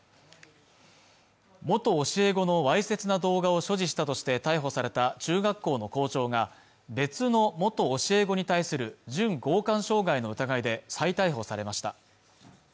元教え子のわいせつな動画を所持したとして逮捕された中学校の校長が別の元教え子に対する準強姦傷害の疑いで再逮捕されました